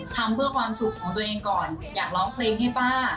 ทำเพื่อความสุขของตัวเองก่อนอยากร้องเพลงให้ป้า